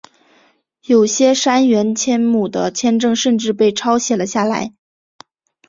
有些杉原千亩的签证甚至被抄写了下来。